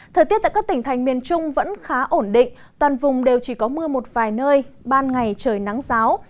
thời tiết tại các tỉnh thành miền trung vẫn khá ổn định toàn vùng đều chỉ có mưa một vài nơi ban ngày trời nắng giáo